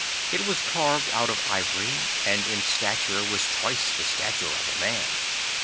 It was carved out of ivory, and in stature was twice the stature of a man.